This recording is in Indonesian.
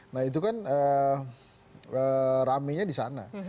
nah itu kan rame nya di sana